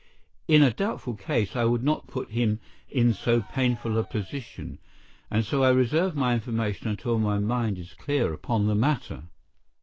In a doubtful case I would not put him in so painful a position, and so I reserve my information until my own mind is clear upon the matter."